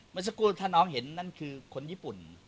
เมื่อสักครู่ถ้าน้องเห็นนั่นคือคนญี่ปุ่น